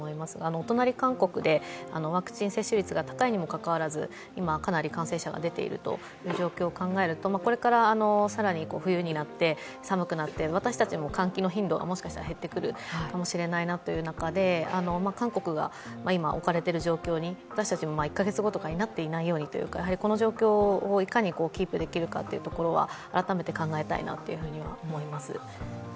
お隣韓国で、ワクチン接種率が高いにもかかわらず、今、かなり感染者が出ている状況を考えるとこれから更に冬になって寒くなって、私たちも換気の頻度がもしかしたら減ってくるかもしれないなという中で、韓国が今置かれている状況に私たちも１カ月後とかになっていないようにこの状況をいかにキープできるかというところは改めて考えたいなというふうに思います。